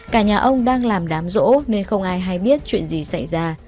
cả nhà ông đang làm đám rỗ nên không ai hay biết chuyện gì xảy ra